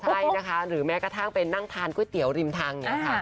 ใช่นะคะหรือแม้กระทั่งไปนั่งทานก๋วยเตี๋ยวริมทางเนี่ยค่ะ